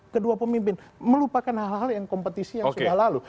kedua pemimpin melupakan hal hal yang kompetisi yang sudah lalu